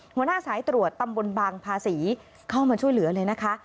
หัวหน้าสายตรวจตำบลบางภาษีเข้ามาช่วยเหลือเลยนะคะ